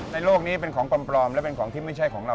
โลกนี้เป็นของปลอมและเป็นของที่ไม่ใช่ของเรา